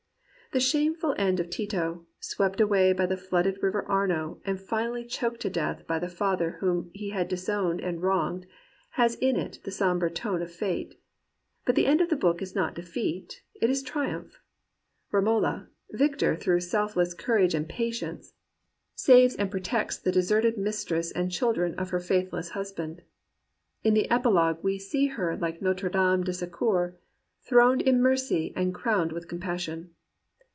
The shameful end of Tito, swept away by the flooded river Arno and finally choked to death by the father whom he had disowned and \\Tonged, has in it the sombre tone of Fate. But the end of the book is not defeat; it is triumph. Romola, victor through selfless courage and patience, saves and protects 149 COMPANIONABLE BOOKS the deserted mistress and children of her faithless husband. In the epilogue we see her like Notre Dame de Secours, throned in mercy and crowned with compassion.